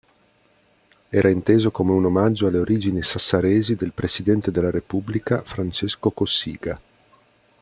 Era inteso come un omaggio alle origini sassaresi del Presidente della Repubblica Francesco Cossiga.